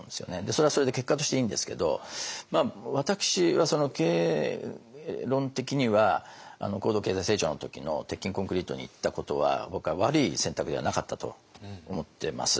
それはそれで結果としていいんですけど私は経営論的には高度経済成長の時の鉄筋コンクリートにいったことは僕は悪い選択ではなかったと思ってます。